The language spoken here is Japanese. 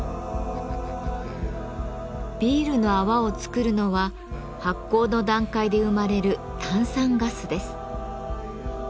ビールの泡をつくるのは発酵の段階で生まれる炭酸ガスです。